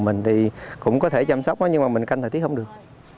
mình thì cũng có thể chăm sóc lắm nhưng mà mình canh thời tiết không được